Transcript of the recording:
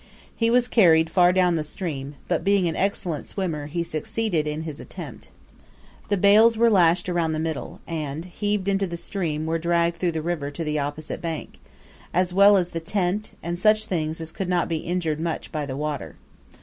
He was carried far down the stream; but being an excellent swimmer, he succeeded in his attempt. The bales were lashed around the middle, and, heaved into the stream, were dragged through the river to the opposite bank, as well as the tent, and such things as could not be injured much by the water.